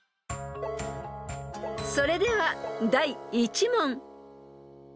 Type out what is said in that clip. ［それでは第１問］